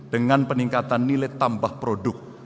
dengan peningkatan nilai tambah produk